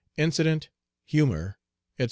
INCIDENT, HUMOR, ETC.